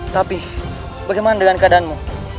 tapi bagaimana dengan keadaanmu